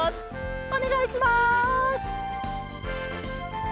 「おねがいします」。